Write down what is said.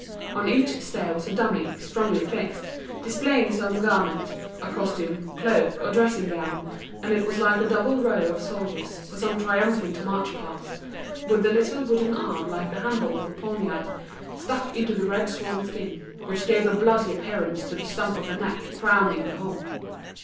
On each stair was a dummy, strongly fixed, displaying some garment: a costume, cloak, or dressing gown; and it was like a double row of soldiers for some triumphal march past, with the little wooden arm like the handle of a poniard, stuck into the red swan skin, which gave a bloody appearance to the stump of a neck crowning the whole.